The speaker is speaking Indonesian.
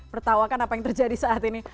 pertawakan apa yang terjadi saat ini